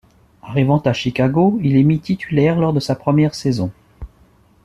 Arrivant à Chicago, il est mis titulaire lors de sa première saison.